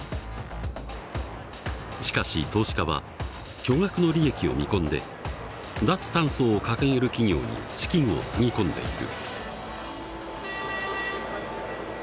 しかし投資家は巨額の利益を見込んで脱炭素を掲げる企業に資金をつぎ込んでいる。